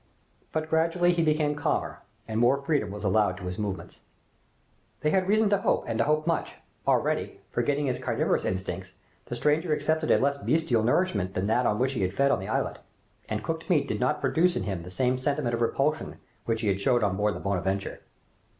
But gradually he became calmer, and more freedom was allowed to his movements. They had reason to hope, and to hope much. Already, forgetting his carnivorous instincts, the stranger accepted a less bestial nourishment than that on which he fed on the islet, and cooked meat did not produce in him the same sentiment of repulsion which he had showed on board the "Bonadventure."